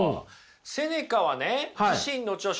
セネカはね自身の著書